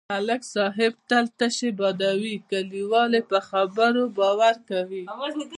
ملک صاحب تل تشې بادوي، کلیوال یې په خبرو باور کوي.